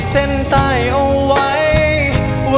ยังเพราะความสำคัญ